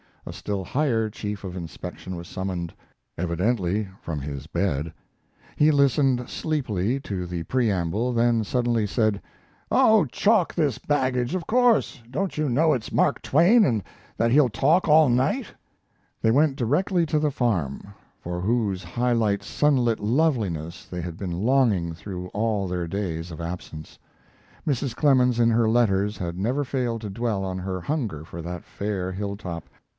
A still higher chief of inspection was summoned, evidently from his bed. He listened sleepily to the preamble, then suddenly said: "Oh, chalk his baggage, of course! Don't you know it's Mark Twain and that he'll talk all night?" They went directly to the farm, for whose high sunlit loveliness they had been longing through all their days of absence. Mrs. Clemens, in her letters, had never failed to dwell on her hunger for that fair hilltop.